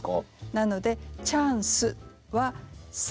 なので「チャンス」は三音。